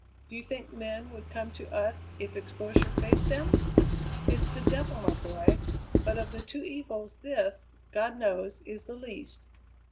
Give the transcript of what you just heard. Do you think men would come to us if exposure faced them? It's the devil, my boy; but of the two evils this, God knows, is the least.